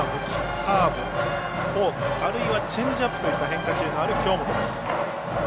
カーブ、フォーク、あるいはチェンジアップといった変化球のある京本。